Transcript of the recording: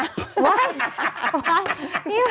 อะไรนะพี่พัฒน์